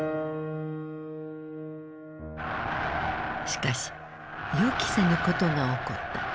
しかし予期せぬことが起こった。